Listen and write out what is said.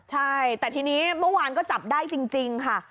ใช่แต่ทีนี้เมื่อวานก็จับได้จริงค่ะ